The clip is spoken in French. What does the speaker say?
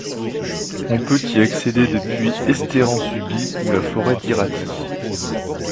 On peut y accéder depuis Estérençuby ou la forêt d'Iraty.